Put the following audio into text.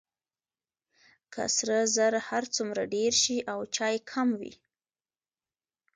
که سره زر هر څومره ډیر شي او چای کم وي.